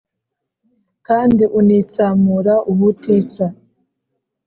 kandi unitsamura ubutitsa